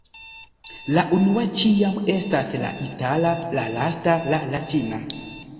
La unua ĉiam estas la itala, la lasta la latina.